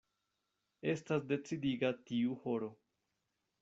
Estas decidiga tiu horo.